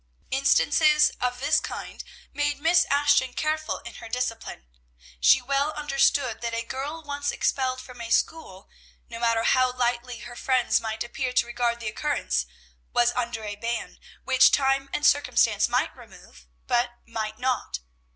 Instances of this kind made Miss Ashton careful in her discipline. She well understood that a girl once expelled from a school, no matter how lightly her friends might appear to regard the occurrence, was under a ban, which time and circumstances might remove, but might not.